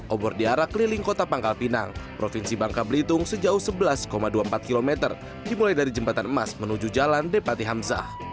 obor di arah keliling kota pangkal pinang provinsi bangka belitung sejauh sebelas dua puluh empat km dimulai dari jembatan emas menuju jalan depati hamzah